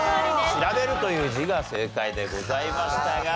「調べる」という字が正解でございましたが。